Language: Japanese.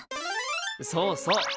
そうそう！